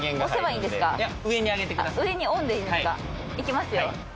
いきますよ？